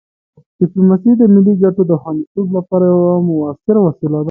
ډیپلوماسي د ملي ګټو د خوندیتوب لپاره یوه مؤثره وسیله ده.